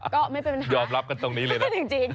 ก็ไม่เป็นปัญหายอมรับกันตรงนี้เลยนะจริง